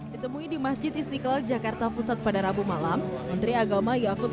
ditemui di masjid istiqlal jakarta pusat pada rabu malam menteri agama yakut